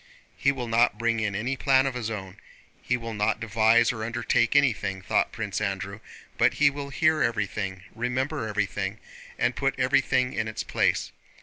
"He will not bring in any plan of his own. He will not devise or undertake anything," thought Prince Andrew, "but he will hear everything, remember everything, and put everything in its place.